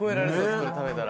これ食べたら。